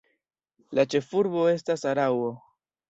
La ĉefurbo estas Araŭo.